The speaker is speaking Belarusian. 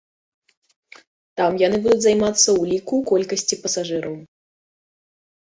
Там яны будуць займацца ўліку колькасці пасажыраў.